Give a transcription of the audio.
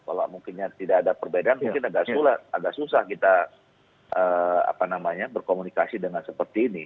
kalau mungkinnya tidak ada perbedaan mungkin agak susah kita berkomunikasi dengan seperti ini